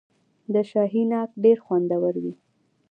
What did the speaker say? د شاهي ناک ډیر خوندور وي.